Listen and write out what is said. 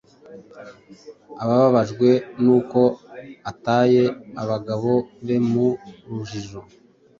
ababajwe n'uko ataye abagabo be mu rujijo.